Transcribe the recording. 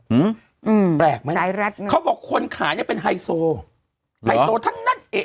อืมแปลกมั้ยสายรัดเขาบอกคนขายเนี้ยเป็นไฮโซหรอไฮโซทั้งนั้นเอ๊ะ